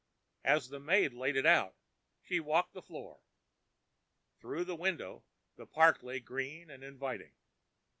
As the maid laid it out, she walked the floor. Through the window the park lay green and inviting.